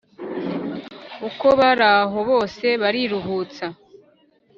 uko baraho bose bariruhutsa.